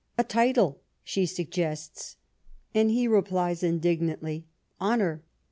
"A title," she suggests, and he replies indig nantly, " Honor